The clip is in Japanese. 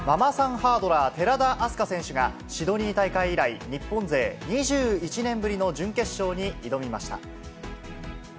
ハードラー、寺田明日香選手が、シドニー大会以来、日本勢２１年ぶりの準決勝に挑みました。